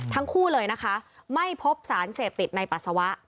ทั้งคู่เลยนะคะไม่พบสารเสพติดในปัสสาวะ